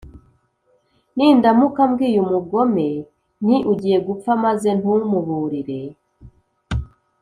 Nindamuka mbwiye Umugome nti 'Ugiye gupfa', maze ntumuburire